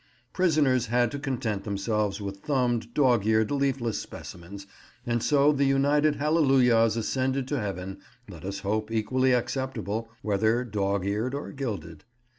Prisoners had to content themselves with thumbed, dog eared, leafless specimens, and so the united hallelujahs ascended to Heaven—let us hope equally acceptable, whether dog eared or gilded.